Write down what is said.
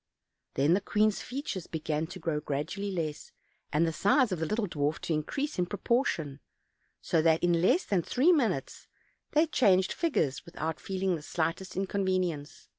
Then the queen's features began to grow gradually less, and the size of the little dwarf to increase in proportion; so that in less than three minutes they changed figures without feeling the slightest inconvenience.